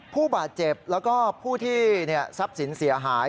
ผู้บาดเจ็บแล้วก็ผู้ที่ทรัพย์สินเสียหาย